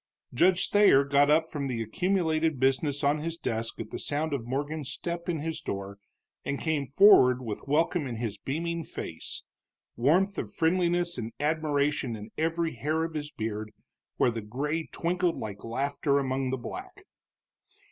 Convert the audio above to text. Judge Thayer got up from the accumulated business on his desk at the sound of Morgan's step in his door, and came forward with welcome in his beaming face, warmth of friendliness and admiration in every hair of his beard, where the gray twinkled like laughter among the black.